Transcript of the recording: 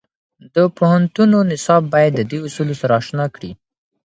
د پوهنتونو نصاب باید د دې اصولو سره اشنا کړي.